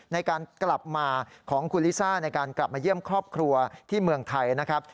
ในการกลับมาของคุณลิซ่าในการกลับมาเยี่ยมครอบครัวที่เมืองไทยนะครับ